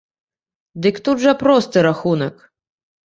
Дык тут жа просты рахунак.